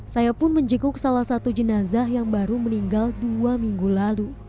saya pun menjenguk salah satu jenazah yang baru meninggal dua minggu lalu